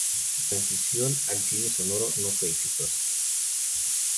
Su transición al cine sonoro no fue exitosa.